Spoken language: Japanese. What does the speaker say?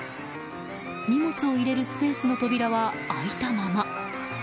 荷物を入れるスペースの扉は開いたまま。